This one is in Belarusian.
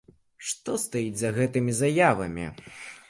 Што стаіць за гэтымі заявамі?